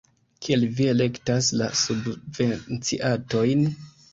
Kiel vi elektas la subvenciatojn?